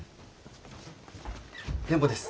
電報です。